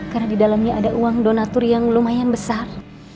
karena di dalamnya ada uang donatur yang lumayan besar